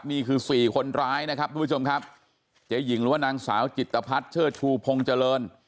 นี่คือสี่คนร้ายนะครับทุกผู้ชมครับเจ๊หญิงหรือว่านางสาวจิตภัทรเชิดชูพงษ์เจริญ